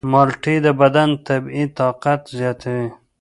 مالټې د بدن طبیعي طاقت زیاتوي.